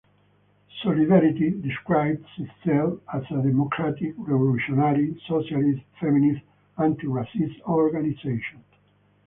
Solidarity describes itself as a democratic, revolutionary socialist, feminist, anti-racist organization.